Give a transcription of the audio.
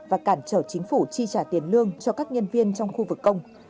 và cản trở chính phủ chi trả tiền lương cho các nhân viên trong khu vực công